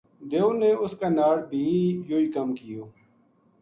دیو نے اس کے ناڑ بھی یوہی کم کیو